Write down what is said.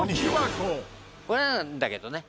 「これなんだけどね」